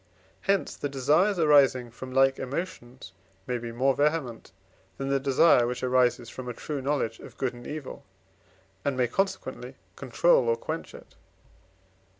hence the desires arising from like emotions may be more vehement, than the desire which arises from a true knowledge of good and evil, and may, consequently, control or quench it.